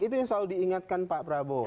itu yang selalu diingatkan pak prabowo